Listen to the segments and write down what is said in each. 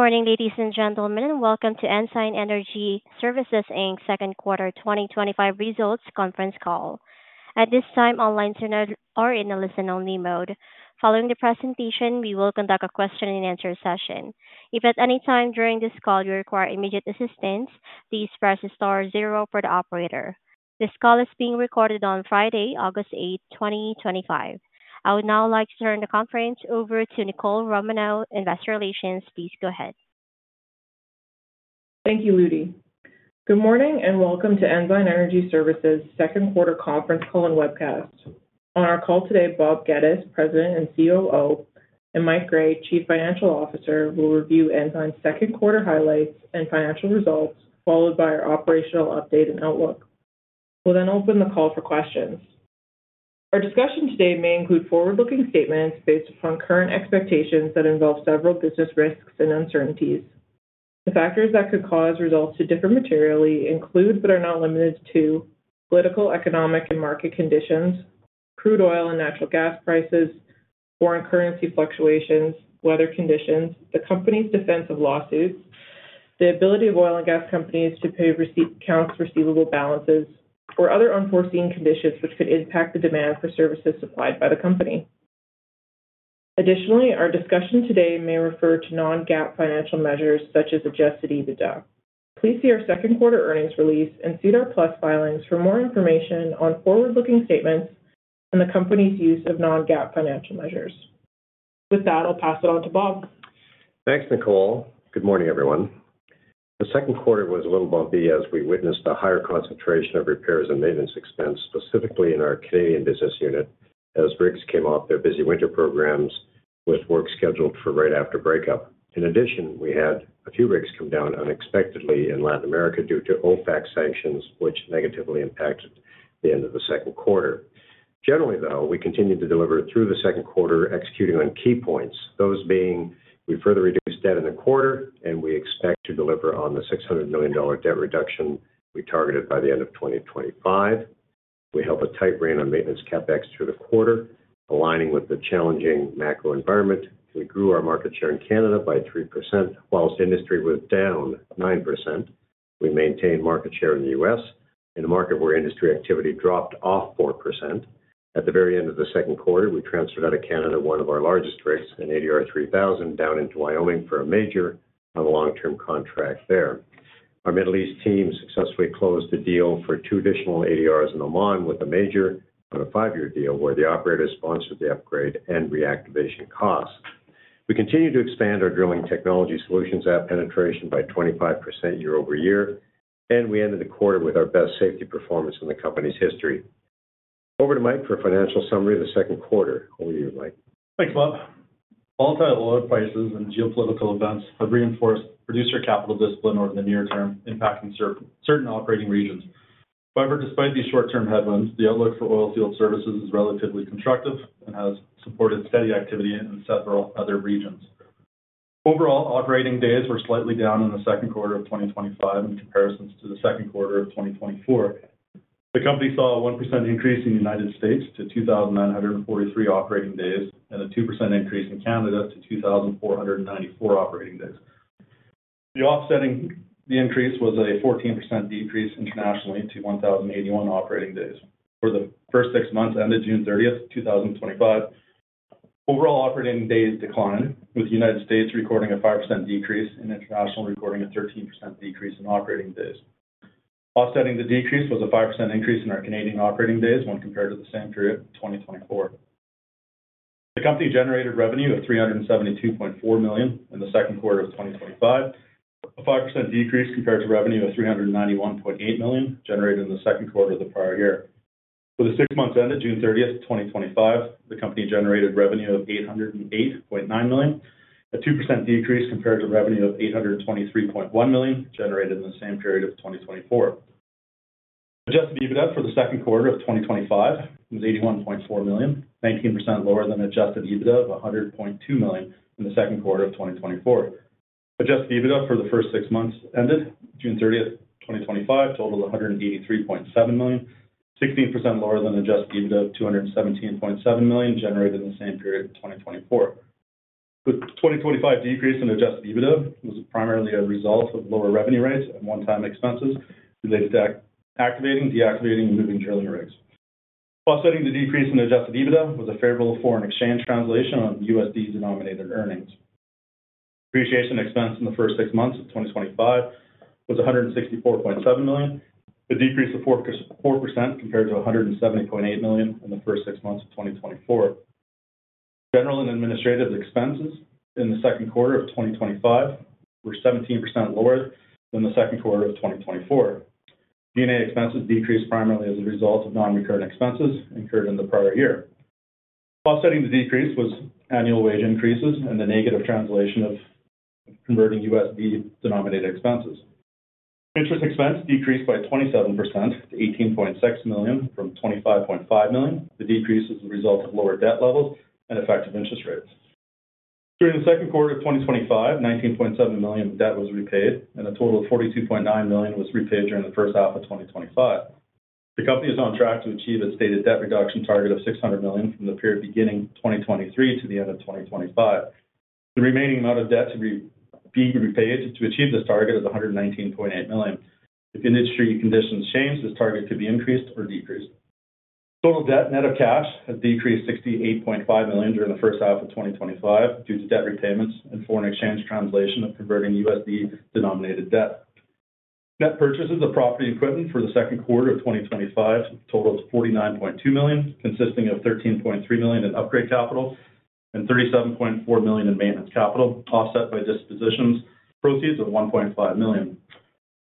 Good morning, ladies and gentlemen, and welcome to Ensign Energy Services Inc.'s Second Quarter 2025 Results Conference Call. At this time, all lines are in a listen-only mode. Following the presentation, we will conduct a question and answer session. If at any time during this call you require immediate assistance, please press the star zero for the operator. This call is being recorded on Friday, August 8, 2025. I would now like to turn the conference over to Nicole Romanow, Investor Relations. Please go ahead. Thank you, Ludi. Good morning and welcome to Ensign Energy Services' Second Quarter Conference Call and Webcast. On our call today, Bob Geddes, President and COO, and Mike Gray, Chief Financial Officer, will review Ensign's second quarter highlights and financial results, followed by our operational update and outlook. We'll then open the call for questions. Our discussion today may include forward-looking statements based upon current expectations that involve several business risks and uncertainties. The factors that could cause results to differ materially include, but are not limited to, political, economic, and market conditions, crude oil and natural gas prices, foreign currency fluctuations, weather conditions, the company's defense of losses, the ability of oil and gas companies to pay receivable balances, or other unforeseen conditions which could impact the demand for services supplied by the company. Additionally, our discussion today may refer to non-GAAP financial measures such as adjusted EBITDA. Please see our second quarter earnings release and SEDAR+ filings for more information on forward-looking statements and the company's use of non-GAAP financial measures. With that, I'll pass it on to Bob. Thanks, Nicole. Good morning, everyone. The second quarter was a little bumpy as we witnessed a higher concentration of repairs and maintenance expense, specifically in our Canadian business unit, as rigs came off their busy winter programs with work scheduled for right after breakup. In addition, we had a few rigs come down unexpectedly in Latin America due to OFAC sanctions, which negatively impacted the end of the second quarter. Generally, though, we continued to deliver through the second quarter, executing on key points, those being we further reduced debt in the quarter, and we expect to deliver on the 600 million dollar debt reduction we targeted by the end of 2025. We held a tight rein on maintenance CapEx through the quarter, aligning with the challenging macro environment. We grew our market share in Canada by 3%, whilst industry was down 9%. We maintained market share in the U.S., in a market where industry activity dropped off 4%. At the very end of the second quarter, we transferred out of Canada one of our largest rigs, an ADR 3000, down into Wyoming for a major on a long-term contract there. Our Middle East team successfully closed the deal for two additional ADRs in Oman with a major on a five-year deal where the operator sponsored the upgrade and reactivation costs. We continue to expand our drilling technology solutions at penetration by 25% year-over-year, and we ended the quarter with our best safety performance in the company's history. Over to Mike for a financial summary of the second quarter. Over to you, Mike. Thanks, Bob. All-time oil prices and geopolitical events have reinforced producer capital discipline over the near-term, impacting certain operating regions. However, despite these short-term headwinds, the outlook for oil field services is relatively constructive and has supported steady activity in several other regions. Overall, operating days were slightly down in the second quarter of 2025 in comparison to the second quarter of 2024. The company saw a 1% increase in the United States to 2,943 operating days and a 2% increase in Canada to 2,494 operating days. The offsetting increase was a 14% decrease internationally to 1,081 operating days. For the first six months ended June 30, 2025, overall operating days declined, with the United States recording a 5% decrease and international recording a 13% decrease in operating days. Offsetting the decrease was a 5% increase in our Canadian operating days when compared to the same period, 2024. The company generated revenue of 372.4 million in the second quarter of 2025, a 5% decrease compared to revenue of 391.8 million generated in the second quarter of the prior year. For the six months ended June 30, 2025, the company generated revenue of 808.9 million, a 2% decrease compared to revenue of 823.1 million generated in the same period of 2024. Adjusted EBITDA for the second quarter of 2025 was 81.4 million, 19% lower than adjusted EBITDA of 100.2 million in the second quarter of 2024. Adjusted EBITDA for the first six months ended June 30, 2025, totaled 183.7 million, 16% lower than adjusted EBITDA of 217.7 million generated in the same period of 2024. The 2025 decrease in adjusted EBITDA was primarily a result of lower revenue rates and one-time expenses related to activating, deactivating, and moving drilling rigs. Offsetting the decrease in adjusted EBITDA was a favorable foreign exchange translation on USD denominated earnings. Depreciation expense in the first six months of 2025 was 164.7 million, a decrease of 4% compared to 170.8 million in the first six months of 2024. General and administrative expenses in the second quarter of 2025 were 17% lower than the second quarter of 2024. G&A expenses decreased primarily as a result of non-recurring expenses incurred in the prior year. Offsetting the decrease was annual wage increases and the negative translation of converting USD denominated expenses. Interest expense decreased by 27% to 18.6 million from 25.5 million. The decrease is a result of lower debt levels and effective interest rates. During the second quarter of 2025, 19.7 million in debt was repaid, and a total of 42.9 million was repaid during the first half of 2025. The company is on track to achieve its stated debt reduction target of 600 million from the period beginning 2023 to the end of 2025. The remaining amount of debt to be repaid to achieve this target is 119.8 million. If industry conditions change, this target could be increased or decreased. Total debt net of cash has decreased 68.5 million during the first half of 2025 due to debt repayments and foreign exchange translation of converting USD denominated debt. Net purchases of property equipment for the second quarter of 2025 totaled 49.2 million, consisting of 13.3 million in upgrade capital and 37.4 million in maintenance capital, offset by disposition proceeds of 1.5 million.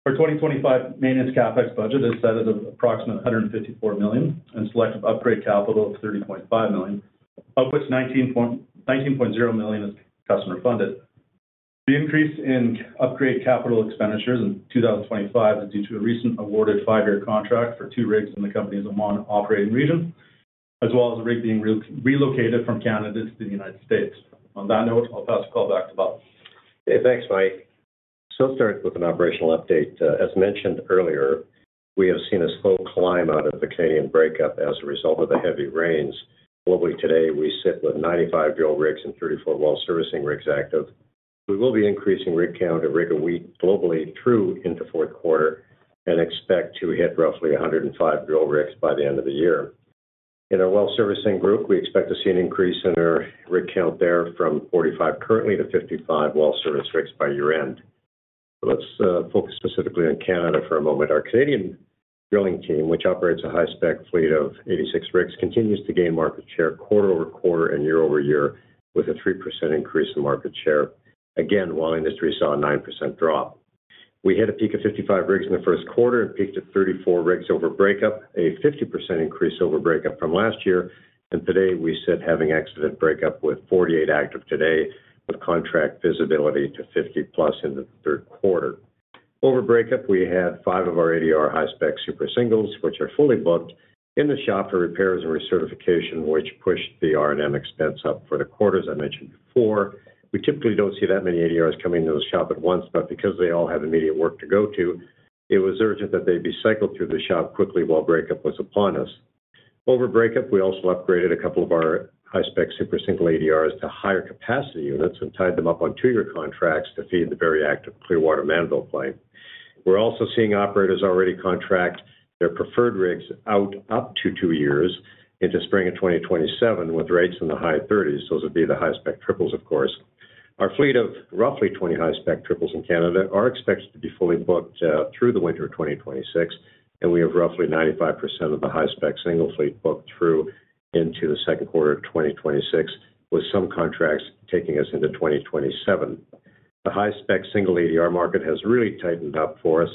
Our 2025 maintenance CapEx budget is set at approximately 154 million and selective upgrade capital of 30.5 million, of which 19.0 million is customer funded. The increase in upgrade capital expenditures in 2025 is due to a recently awarded five-year contract for two rigs in the company's Oman operating region, as well as a rig being relocated from Canada to the United States. On that note, I'll pass the call back to Bob. Hey, thanks, Mike. I'll start with an operational update. As mentioned earlier, we have seen a slow climb out of the Canadian breakup as a result of the heavy rains. Globally today, we sit with 95 drill rigs and 34 well servicing rigs active. We will be increasing rig count and rig a week globally through into the fourth quarter and expect to hit roughly 105 drill rigs by the end of the year. In our well servicing group, we expect to see an increase in our rig count there from 45 currently to 55 well servicing rigs by year end. Let's focus specifically on Canada for a moment. Our Canadian drilling team, which operates a high-spec fleet of 86 rigs, continues to gain market share quarter-over-quarter and year-over-year with a 3% increase in market share, again while industry saw a 9% drop. We hit a peak of 55 rigs in the first quarter and peaked at 34 rigs over breakup, a 50% increase over breakup from last year. Today we sit having exited breakup with 48 active today with contract visibility to 50+ in the third quarter. Over breakup, we had five of our ADR high-spec super singles, which are fully booked in the shop for repairs and recertification, which pushed the R&M expense up for the quarters, as I mentioned before. We typically don't see that many ADRs coming into the shop at once, but because they all have immediate work to go to, it was urgent that they be cycled through the shop quickly while breakup was upon us. Over breakup, we also upgraded a couple of our high-spec super single ADRs to higher capacity units and tied them up on two-year contracts to feed the very active Clearwater Mandeville play. We're also seeing operators already contract their preferred rigs out up to two years into spring of 2027, with rates in the high 30s. Those would be the high-spec triples, of course. Our fleet of roughly 20 high-spec triples in Canada are expected to be fully booked through the winter of 2026, and we have roughly 95% of the high-spec single fleet booked through into the second quarter of 2026, with some contracts taking us into 2027. The high-spec single ADR market has really tightened up for us.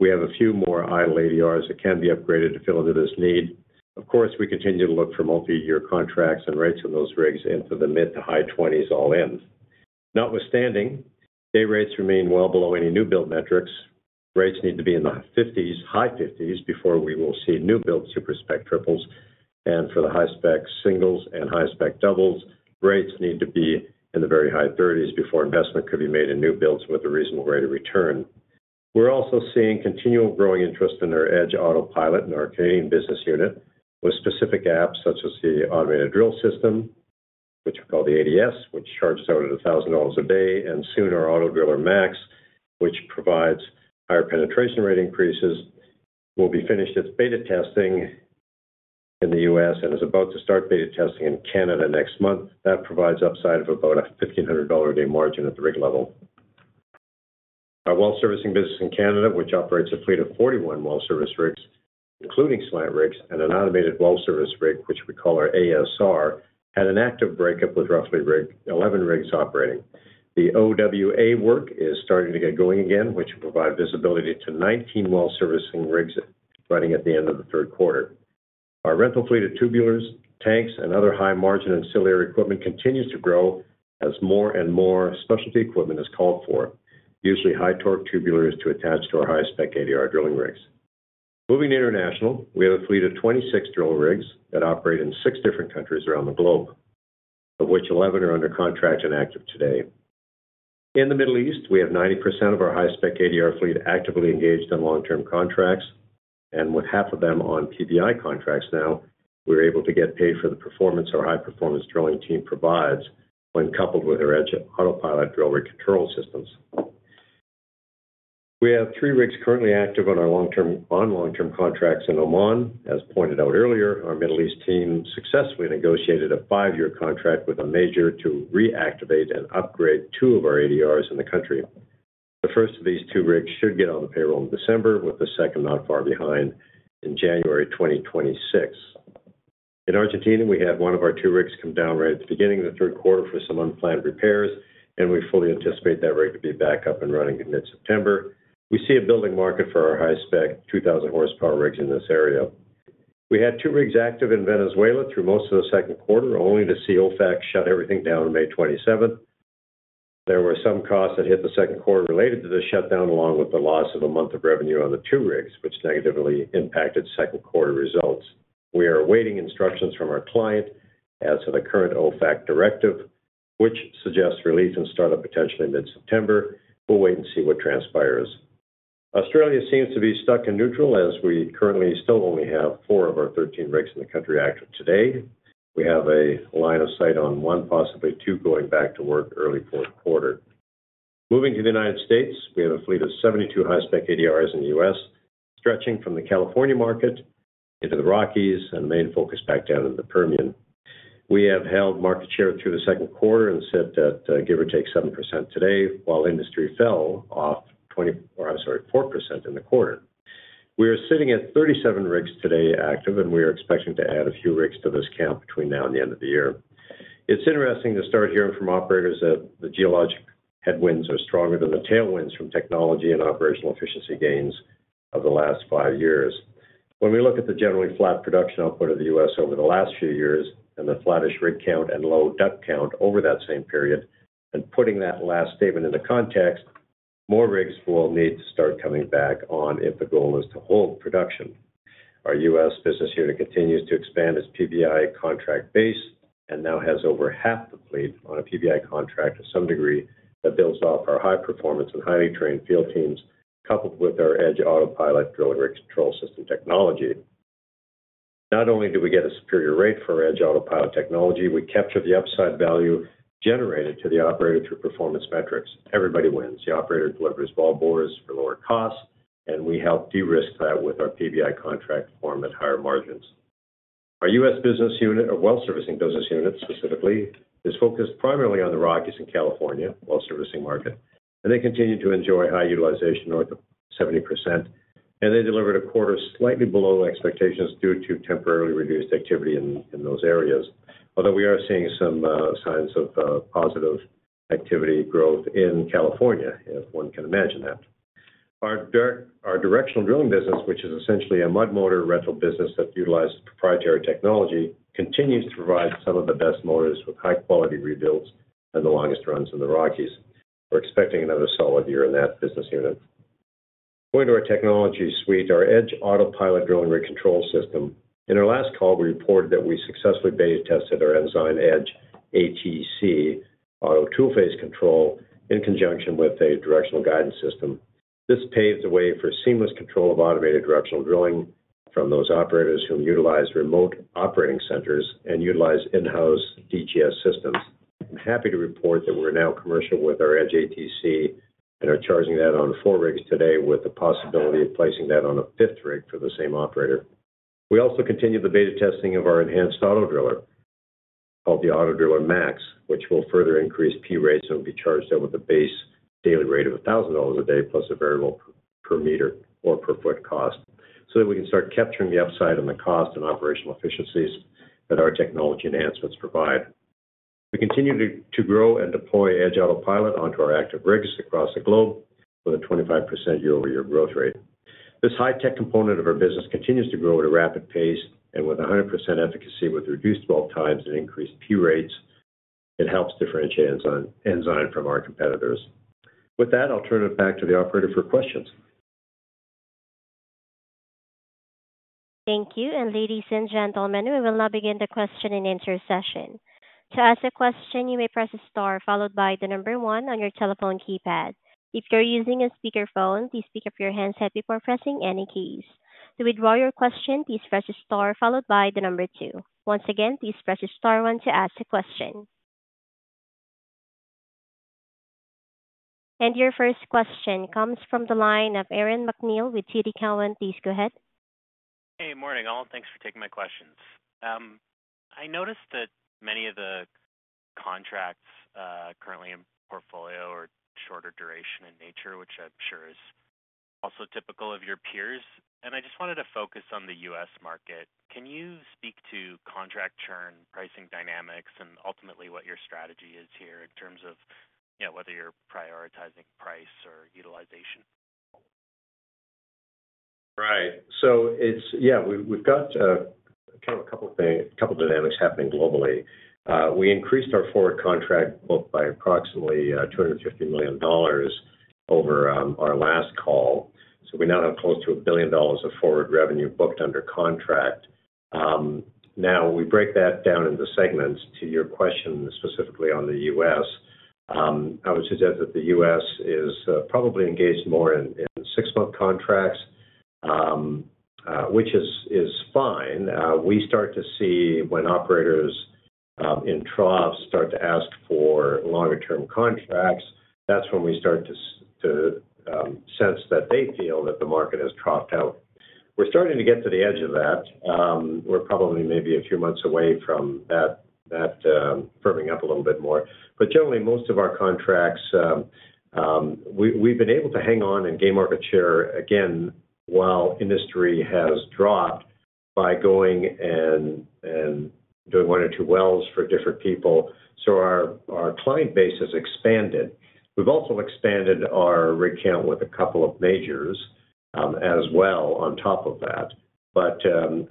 We have a few more idle ADRs that can be upgraded to fill into this need. Of course, we continue to look for multi-year contracts and rates of those rigs into the mid to high 20s all in. Notwithstanding, day rates remain well below any new build metrics. Rates need to be in the CAD 50,000s, high CAD 50,000s, before we will see new build super spec triples. For the high-spec singles and high-spec doubles, rates need to be in the very high CAD 30,000s before investment could be made in new builds with a reasonable rate of return. We are also seeing continual growing interest in our EDGE AUTOPILOT in our Canadian business unit, with specific apps such as the automated drill system, which we call the ADS, which charges out at 1,000 dollars a day, and soon our Auto Driller Max, which provides higher penetration rate increases, will be finished its beta testing in the U.S. and is about to start beta testing in Canada next month. That provides upside of about a 1,500 dollar a day margin at the rig level. Our well servicing business in Canada, which operates a fleet of 41 well servicing rigs, including cement rigs and an automated well servicing rig, which we call our ASR, had an active breakup with roughly 11 rigs operating. The OWA work is starting to get going again, which will provide visibility to 19 well servicing rigs running at the end of the third quarter. Our rental fleet of tubulars, tanks, and other high margin ancillary equipment continues to grow as more and more specialty equipment is called for, usually high torque tubulars to attach to our high-spec ADR drilling rigs. Moving to international, we have a fleet of 26 drill rigs that operate in six different countries around the globe, of which 11 are under contract and active today. In the Middle East, we have 90% of our high-spec ADR fleet actively engaged on long-term contracts, and with half of them on PBI contracts now, we are able to get paid for the performance our high-performance drilling team provides when coupled with our EDGE AUTOPILOT drill rig control systems. We have three rigs currently active on our long-term contracts in Oman. As pointed out earlier, our Middle East team successfully negotiated a five-year contract with a major to reactivate and upgrade two of our ADRs in the country. The first of these two rigs should get on the payroll in December, with the second not far behind in January 2026. In Argentina, we had one of our two rigs come down right at the beginning of the third quarter for some unplanned repairs, and we fully anticipate that rig to be back up and running in mid-September. We see a building market for our high-spec 2,000 hp rigs in this area. We had two rigs active in Venezuela through most of the second quarter, only to see OFAC shut everything down on May 27. There were some costs that hit the second quarter related to the shutdown, along with the loss of a month of revenue on the two rigs, which negatively impacted second quarter results. We are awaiting instructions from our client as to the current OFAC directive, which suggests release and startup potentially in mid-September. We'll wait and see what transpires. Australia seems to be stuck in neutral as we currently still only have four of our 13 rigs in the country active today. We have a line of sight on one, possibly two going back to work early fourth quarter. Moving to the United States, we have a fleet of 72 high-spec ADRs in the U.S., stretching from the California market into the Rockies and main focus back down in the Permian. We have held market share through the second quarter and sit at, give or take, 7% today, while industry fell off, or, I'm sorry, 4% in the quarter. We are sitting at 37 rigs today active, and we are expecting to add a few rigs to this count between now and the end of the year. It's interesting to start hearing from operators that the geologic headwinds are stronger than the tailwinds from technology and operational efficiency gains of the last five years. When we look at the generally flat production output of the U.S. over the last few years and the flattish rig count and low debt count over that same period, and putting that last statement into context, more rigs will need to start coming back on if the goal is to hold production. Our U.S. business unit continues to expand its PBI contract base and now has over half the fleet on a PBI contract to some degree that builds off our high performance and highly trained field teams, coupled with our EDGE AUTOPILOT drill rig control system technology. Not only do we get a superior rate for our EDGE AUTOPILOT technology, we capture the upside value generated to the operator through performance metrics. Everybody wins. The operator delivers ball bores for lower costs, and we help de-risk that with our PBI contract form at higher margins. Our U.S. business unit, our well servicing business unit specifically, is focused primarily on the Rockies and California well servicing market, and they continue to enjoy high utilization north of 70%, and they delivered a quarter slightly below expectations due to temporarily reduced activity in those areas, although we are seeing some signs of positive activity growth in California, if one can imagine that. Our directional drilling business, which is essentially a mud motor rental business that utilizes proprietary technology, continues to provide some of the best motors with high quality rebuilds and the longest runs in the Rockies. We're expecting another solid year in that business unit. Going to our technology suite, our EDGE AUTOPILOT drilling rig control system. In our last call, we reported that we successfully beta tested our Ensign EDGE ATC auto two-phase control in conjunction with a directional guidance system. This paves the way for seamless control of automated directional drilling from those operators who utilize remote operating centers and utilize in-house DGS systems. I'm happy to report that we're now commercial with our EDGE ATC and are charging that on four rigs today with the possibility of placing that on a fifth rig for the same operator. We also continue the beta testing of our enhanced auto driller called the Auto Driller Max, which will further increase P rates and be charged out with a base daily rate of 1,000 dollars a day, plus a variable per meter or per foot cost, so that we can start capturing the upside in the cost and operational efficiencies that our technology enhancements provide. We continue to grow and deploy EDGE AUTOPILOT onto our active rigs across the globe with a 25% year-over-year growth rate. This high-tech component of our business continues to grow at a rapid pace and with 100% efficacy, with reduced bulk times and increased P rates, it helps differentiate Ensign from our competitors. With that, I'll turn it back to the operator for questions. Thank you, and ladies and gentlemen, we will now begin the question and answer session. To ask a question, you may press star followed by the number one on your telephone keypad. If you're using a speakerphone, please pick up your handset before pressing any keys. To withdraw your question, please press star followed by the number two. Once again, please press star one to ask a question. Your first question comes from the line of Aaron MacNeil with TD Cowen. Please go ahead. Hey, morning all. Thanks for taking my questions. I noticed that many of the contracts currently in portfolio are shorter duration in nature, which I'm sure is also typical of your peers. I just wanted to focus on the U.S. market. Can you speak to contract churn, pricing dynamics, and ultimately what your strategy is here in terms of whether you're prioritizing price or utilization? Right. It's, yeah, we've got a couple of things, a couple of dynamics happening globally. We increased our forward contract book by approximately 250 million dollars over our last call. We now have close to 1 billion dollars of forward revenue booked under contract. Now, we break that down into segments. To your question specifically on the U.S., I would suggest that the U.S. is probably engaged more in six-month contracts, which is fine. We start to see when operators in troughs start to ask for longer-term contracts. That's when we start to sense that they feel that the market has troughed out. We're starting to get to the edge of that. We're probably maybe a few months away from that firming up a little bit more. Generally, most of our contracts, we've been able to hang on and gain market share again while industry has dropped by going and doing one or two wells for different people. Our client base has expanded. We've also expanded our rig count with a couple of majors as well on top of that.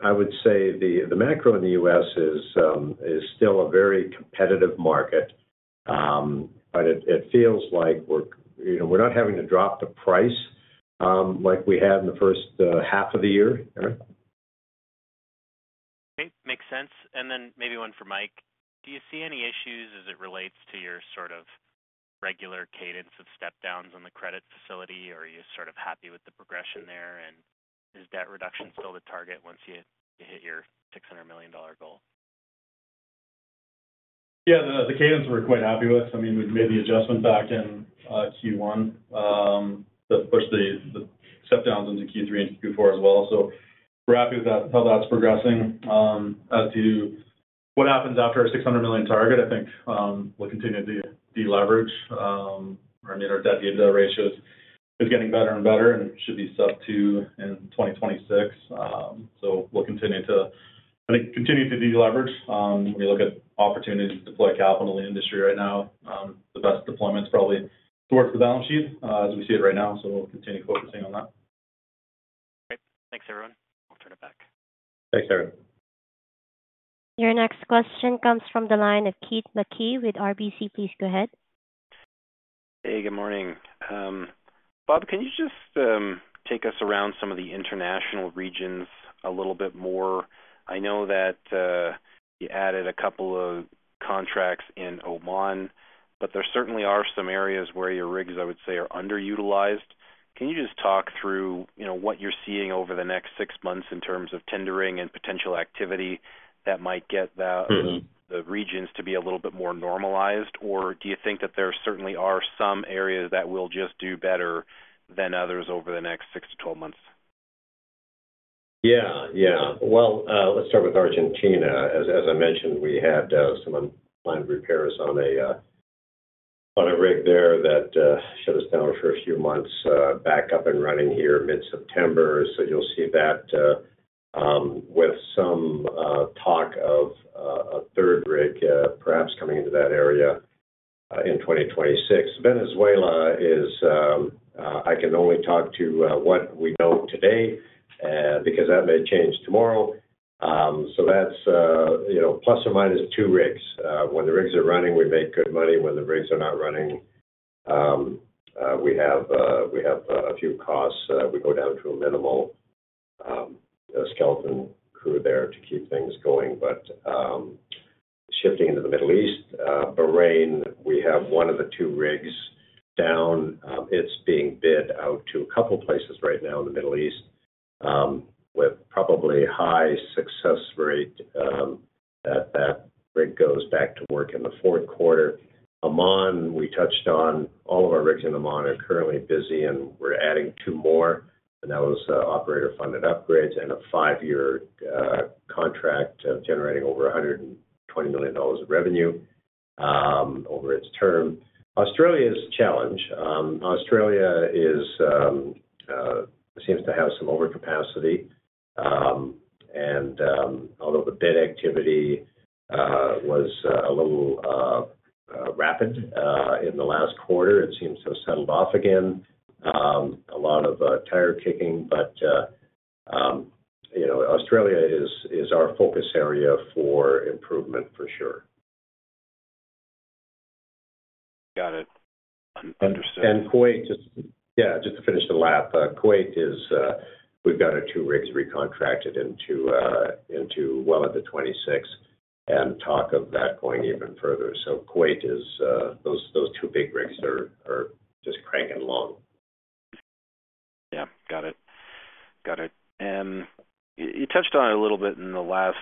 I would say the macro in the U.S. is still a very competitive market, but it feels like we're not having to drop the price like we had in the first half of the year. Makes sense. Maybe one for Mike. Do you see any issues as it relates to your sort of regular cadence of step-downs on the credit facility, or are you sort of happy with the progression there? Is debt reduction still the target once you hit your 600 million dollar goal? Yeah, the cadence we're quite happy with. I mean, we made the adjustment back in Q1. Of course, the step-downs into Q3 and Q4 as well. We're happy with that, how that's progressing. As to what happens after a 600 million target, I think we'll continue to de-leverage. I mean, our debt to EBITDA ratio is getting better and better, and it should be 2x in 2026. We'll continue to, I think, continue to de-leverage. When you look at opportunities to deploy capital in the industry right now, the best deployment's probably towards the balance sheet, as we see it right now. We'll continue focusing on that. Great. Thanks, everyone. I'll turn it back. Thanks, Aaron. Your next question comes from the line of Keith Mackey with RBC. Please go ahead. Hey, good morning. Bob, can you just take us around some of the international regions a little bit more? I know that you added a couple of contracts in Oman, but there certainly are some areas where your rigs, I would say, are underutilized. Can you just talk through what you're seeing over the next six months in terms of tendering and potential activity that might get the regions to be a little bit more normalized? Do you think that there certainly are some areas that will just do better than others over the next 6-12 months? Yeah, yeah. Let's start with Argentina. As I mentioned, we had some unplanned repairs on a rig there that shut us down for a few months, back up and running here mid-September. You'll see that, with some talk of a third rig, perhaps coming into that area in 2026. Venezuela is, I can only talk to what we know today, because that may change tomorrow. That's, you know, plus or minus two rigs. When the rigs are running, we make good money. When the rigs are not running, we have a few costs that we go down to a minimal skeleton crew there to keep things going. Shifting into the Middle East, Bahrain, we have one of the two rigs down. It's being bid out to a couple of places right now in the Middle East, with probably high success rate that that rig goes back to work in the fourth quarter. Oman, we touched on all of our rigs in Oman are currently busy, and we're adding two more, and that was operator-funded upgrades and a five-year contract generating over 120 million dollars of revenue over its term. Australia's challenge. Australia seems to have some overcapacity, and although the bid activity was a little rapid in the last quarter, it seems to have settled off again. A lot of tire kicking, but Australia is our focus area for improvement for sure. Got it. Understood. Kuwait, just to finish the lap, Kuwait is, we've got our two rigs recontracted well into 2026 and talk of that going even further. Kuwait is, those two big rigs are just cranking along. Got it. You touched on it a little bit in the last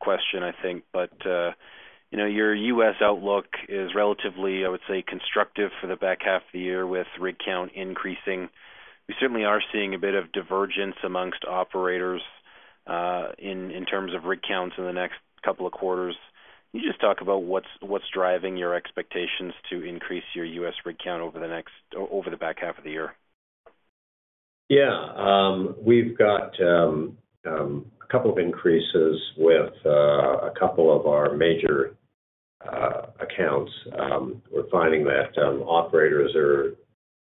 question, I think, but your U.S. outlook is relatively, I would say, constructive for the back half of the year with rig count increasing. We certainly are seeing a bit of divergence amongst operators in terms of rig counts in the next couple of quarters. Can you just talk about what's driving your expectations to increase your U.S. rig count over the back half of the year? Yeah, we've got a couple of increases with a couple of our major accounts. We're finding that operators are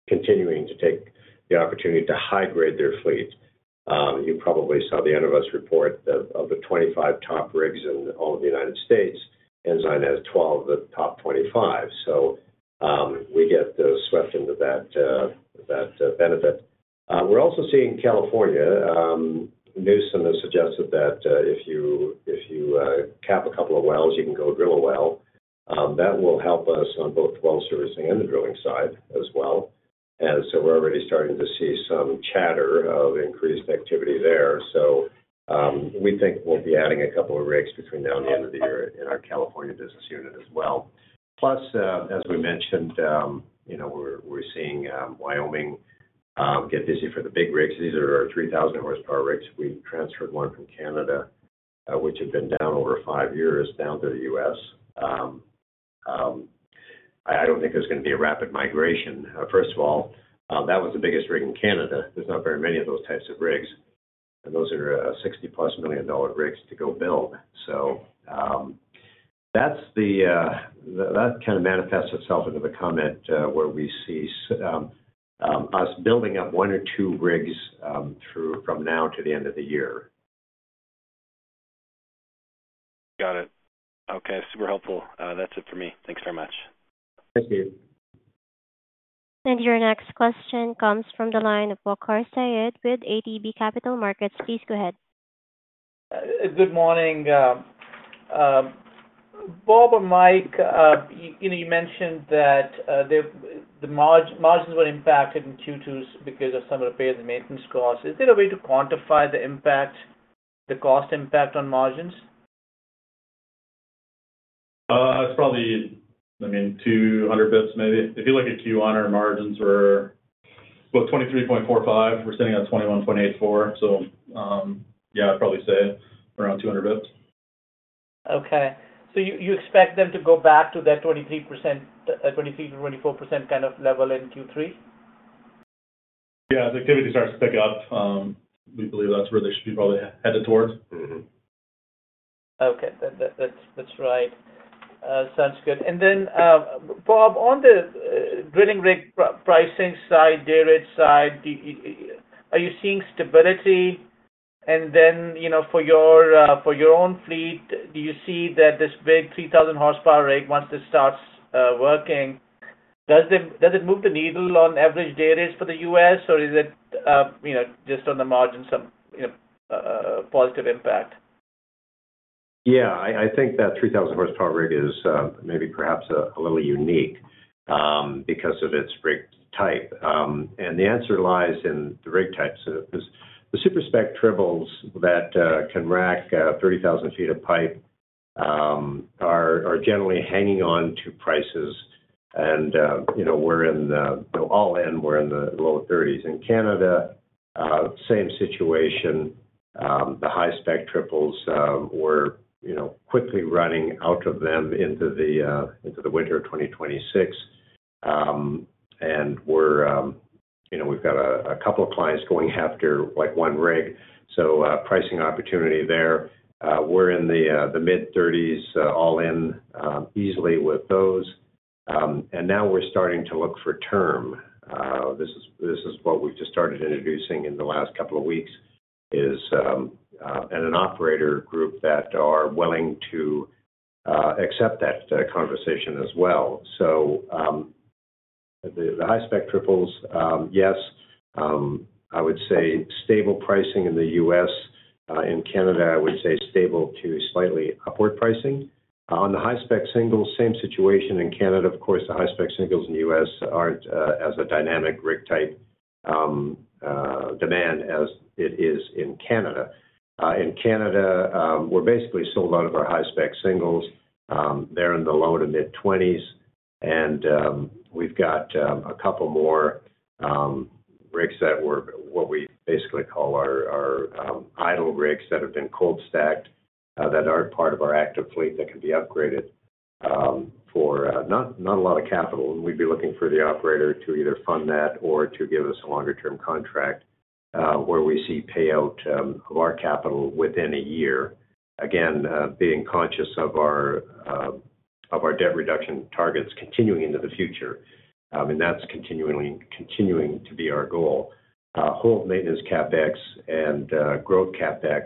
continuing to take the opportunity to high-grade their fleet. You probably saw the Enverus report of the 25 top rigs in all of the United States. Ensign has 12 of the top 25. We get to sweat into that benefit. We're also seeing California. Newsom has suggested that if you cap a couple of wells, you can go drill a well. That will help us on both the well service and the drilling side as well. We're already starting to see some chatter of increased activity there. We think we'll be adding a couple of rigs between now and the end of the year in our California business unit as well. Plus, as we mentioned, we're seeing Wyoming get busy for the big rigs. These are our 3,000 hp rigs. We transferred one from Canada, which had been down over five years, down to the U.S. I don't think there's going to be a rapid migration. First of all, that one's the biggest rig in Canada. There's not very many of those types of rigs, and those are 60+ million dollar rigs to go build. That kind of manifests itself into the comment where we see us building up one or two rigs from now to the end of the year. Got it. Okay. Super helpful. That's it for me. Thanks very much. Thanks, Keith. Your next question comes from the line of Waqar Syed with ATB Capital Markets. Please go ahead. Good morning. Bob or Mike, you mentioned that the margins were impacted in Q2 because of some of the payers and maintenance costs. Is there a way to quantify the impact, the cost impact on margins? That's probably, I mean, 200 basis points maybe. I feel like at Q1, our margins were about 23.45%. We're sitting at 21.84%. Yeah, I'd probably say around 200 basis points. Okay, you expect them to go back to that 23%, 23%-24% kind of level in Q3? As activity starts to pick up, we believe that's where they should be probably headed towards. Okay. That's right. Sounds good. Bob, on the drilling rig pricing side, day rate side, are you seeing stability? For your own fleet, do you see that this big 3,000 hp rig, once this starts working, does it move the needle on average day rates for the U.S., or is it just on the margins, some positive impact? Yeah, I think that 3,000 hp rig is maybe perhaps a little unique because of its rig type. The answer lies in the rig types because the super spec triples that can rack 30,000 ft of pipe are generally hanging on to prices. We're in the, you know, all in, we're in the lower CAD 30,000s. In Canada, same situation. The high-spec triples, we're quickly running out of them into the winter of 2026. We've got a couple of clients going after one rig, so pricing opportunity there. We're in the mid-CAD 30,000s, all in, easily with those. Now we're starting to look for term. This is what we just started introducing in the last couple of weeks, an operator group that are willing to accept that conversation as well. The high-spec triples, yes. I would say stable pricing in the U.S. In Canada, I would say stable to slightly upward pricing. On the high-spec singles, same situation. In Canada, of course, the high-spec singles in the U.S. aren't as a dynamic rig type demand as it is in Canada. In Canada, we're basically sold out of our high-spec singles. They're in the low to mid-CAD 20,000s. We've got a couple more rigs that we basically call our idle rigs that have been cold stacked, that aren't part of our active fleet that could be upgraded for not a lot of capital. We'd be looking for the operator to either fund that or to give us a longer-term contract where we see payout of our capital within a year. Again, being conscious of our debt reduction targets continuing into the future. That's continuing to be our goal. Hold maintenance CapEx and growth CapEx,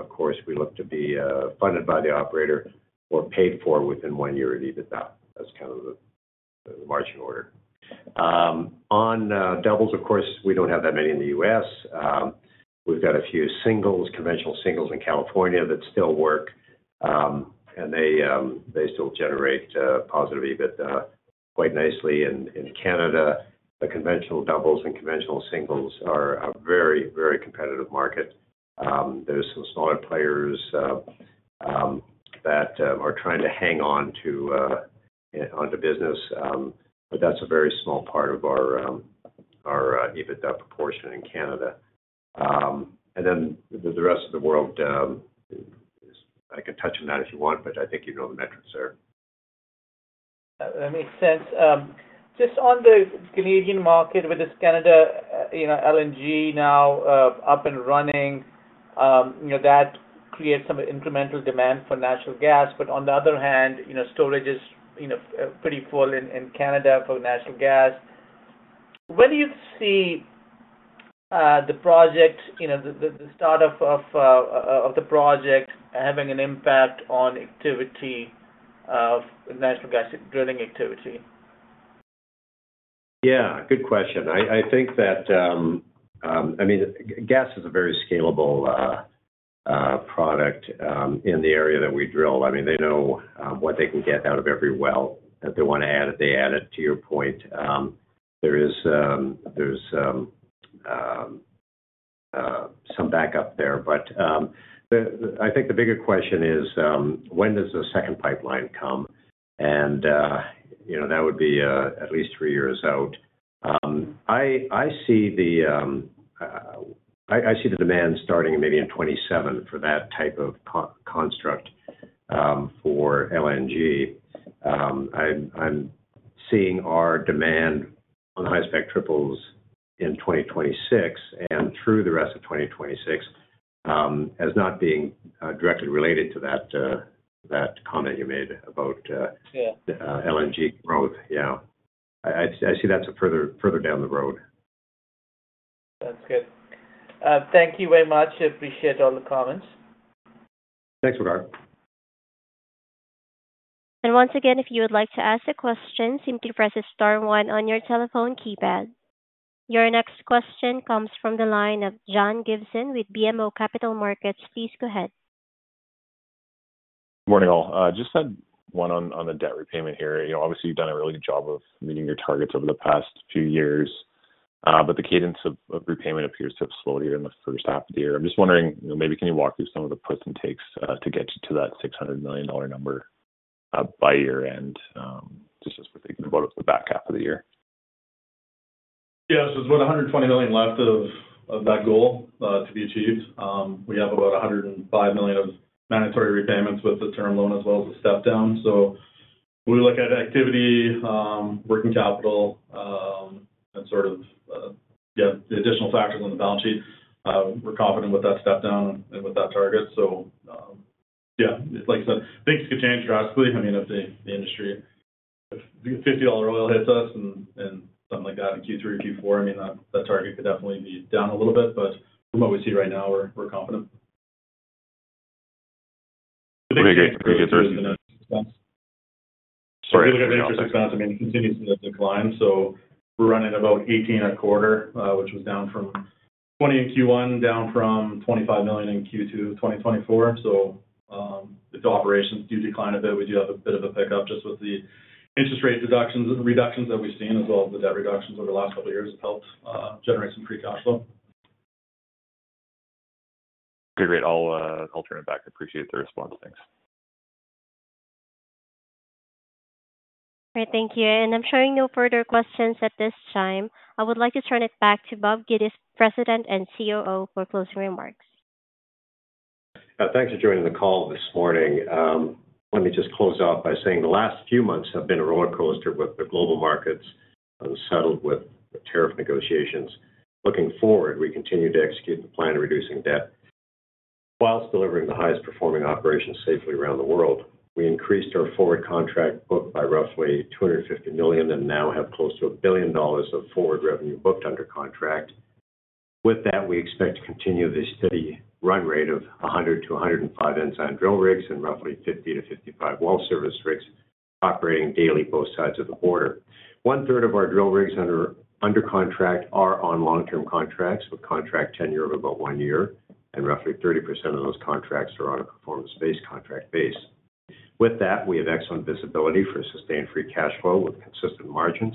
of course, we look to be funded by the operator or paid for within one year at EBITDA. That's kind of the marching order. On doubles, of course, we don't have that many in the U.S. We've got a few singles, conventional singles in California that still work, and they still generate positive EBITDA quite nicely. In Canada, the conventional doubles and conventional singles are a very, very competitive market. There's some smaller players that are trying to hang on to business, but that's a very small part of our EBITDA proportion in Canada. The rest of the world, I could touch on that if you want, but I think you know the metrics there. That makes sense. Just on the Canadian market with this Canada LNG now up and running, that creates some incremental demand for natural gas. On the other hand, storage is pretty full in Canada for natural gas. When do you see the start of the project having an impact on activity of natural gas drilling activity? Yeah, good question. I think that, I mean, gas is a very scalable product in the area that we drill. I mean, they know what they can get out of every well that they want to add if they add it to your point. There is some backup there. I think the bigger question is, when does the second pipeline come? You know, that would be at least three years out. I see the demand starting maybe in 2027 for that type of construct, for LNG. I'm seeing our demand on the high-spec triples in 2026 and through the rest of 2026 as not being directly related to that comment you made about LNG growth. I see that's further down the road. That's good. Thank you very much. I appreciate all the comments. Thanks, Waqar. If you would like to ask a question, simply press star one on your telephone keypad. Your next question comes from the line of John Gibson with BMO Capital Markets. Please go ahead. Morning all. Just had one on debt repayment here. Obviously, you've done a really good job of meeting your targets over the past few years, but the cadence of repayment appears to have slowed here in the first half of the year. I'm just wondering, maybe can you walk through some of the puts and takes to get you to that 600 million dollar number by year end, just as we're thinking about the back half of the year? Yeah, it's about 120 million left of that goal to be achieved. We have about 105 million of mandatory repayments with the term loan as well as the step-down. When we look at activity, working capital, and the additional factors on the balance sheet, we're confident with that step-down and with that target. Like I said, things could change drastically. I mean, if the industry, if 50 dollar oil hits us and something like that in Q3, Q4, that target could definitely be down a little bit. From what we see right now, we're confident. I think we're going to get those. We look at the interest expense. I mean, it continues to decline. We're running about 18 million a quarter, which was down from 20 million in Q1, down from 25 million in Q2 2024. The operations do decline a bit. We do have a bit of a pickup just with the interest rate deductions and reductions that we've seen, as well as the debt reductions over the last couple of years, helped generate some free cash flow. Okay, great. I'll turn it back. I appreciate the response. Thanks. Great. Thank you. I'm showing no further questions at this time. I would like to turn it back to Bob Geddes, President and COO, for closing remarks. Thanks for joining the call this morning. Let me just close out by saying the last few months have been a roller coaster with the global markets unsettled with tariff negotiations. Looking forward, we continue to execute the plan of reducing debt whilst delivering the highest performing operations safely around the world. We increased our forward contract book by roughly 250 million and now have close to a billion dollars of forward revenue booked under contract. With that, we expect to continue the steady run rate of 100-105 Ensign drill rigs and roughly 50-55 well service rigs operating daily both sides of the border. One third of our drill rigs under contract are on long-term contracts with contract tenure of about one year, and roughly 30% of those contracts are on a performance-based contract base. With that, we have excellent visibility for sustained free cash flow with consistent margins,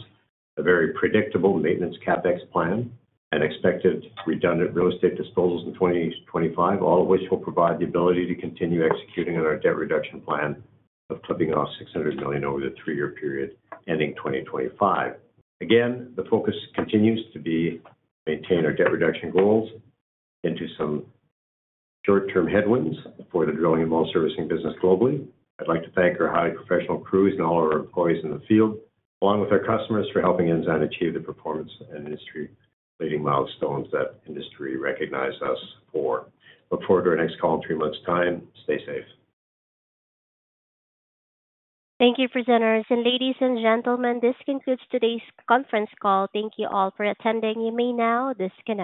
a very predictable maintenance CapEx plan, and expected redundant real estate disposals in 2025, all of which will provide the ability to continue executing on our debt reduction plan of clipping off 600 million over the three-year period ending 2025. Again, the focus continues to be to maintain our debt reduction goals into some short-term headwinds for the drilling and well servicing business globally. I'd like to thank our highly professional crews and all of our employees in the field, along with our customers, for helping Ensign achieve the performance and industry-leading milestones that industry recognizes us for. Look forward to our next call in three months' time. Stay safe. Thank you for joining us. Ladies and gentlemen, this concludes today's conference call. Thank you all for attending. You may now disconnect.